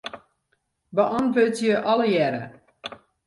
Beäntwurdzje allegearre.